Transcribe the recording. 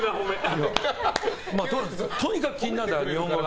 とにかく気になる、日本語が。